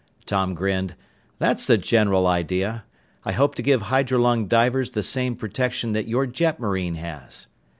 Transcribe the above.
Tom grinned. "That's the general idea. I hope to give hydrolung divers the same protection that your jetmarine has."